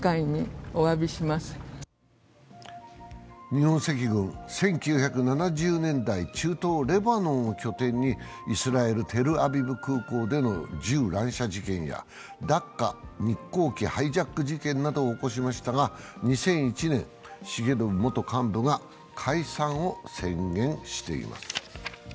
日本赤軍、１９７０年代、中東・レバノンを拠点にイスラエル・テルアビブ空港での銃乱射事件やダッカ・日航機ハイジャック事件などを起こしましたが、２００１年、重信元幹部が解散を宣言しています。